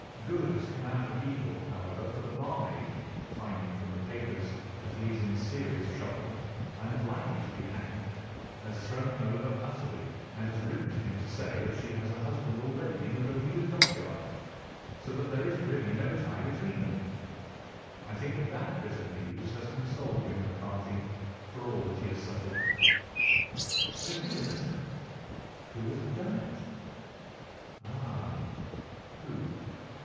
Good has come out of evil, however, for the barmaid, finding from the papers that he is in serious trouble and likely to be hanged, has thrown him over utterly and has written to him to say that she has a husband already in the Bermuda Dockyard, so that there is really no tie between them. I think that that bit of news has consoled young McCarthy for all that he has suffered." "But if he is innocent, who has done it?" "Ah! who?